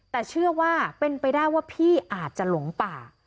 แต่เชื่อว่าเป็นไปได้ว่าพี่อาจจะหลงป่า